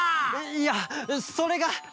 いやそれが。